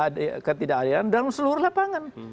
ada ketidakadilan dalam seluruh lapangan